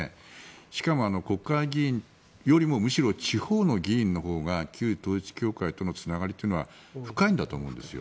しかも国会議員よりもむしろ地方の議員のほうが旧統一教会とのつながりというのは深いんだと思うんですよ。